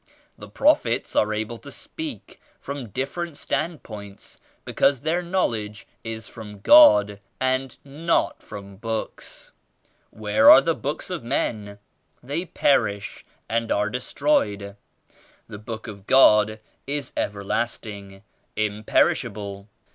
The Prophets arc able to speak from different standpoints be cause their knowledge is from God and not from books. Where are the books of men? They perish and are destroyed. The Book of God is everlasting, imperishable.